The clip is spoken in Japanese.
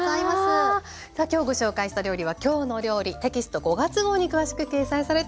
さあ今日ご紹介した料理は「きょうの料理」テキスト５月号に詳しく掲載されています。